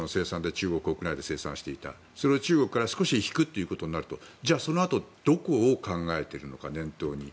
中国国内で生産していたそれを中国から少し引くということになるとじゃあ、そのあとどこを考えているのか、念頭に。